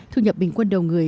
thu nhập bình quân đầu người